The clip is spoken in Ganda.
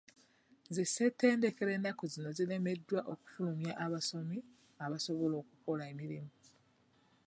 Zi ssetendekero ennaku zino ziremeredwa okufulumya abasomi abasobola okukola emirmu.